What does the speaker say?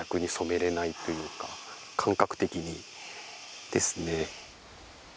感覚的にですね